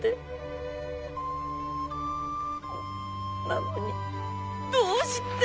なのにどうして。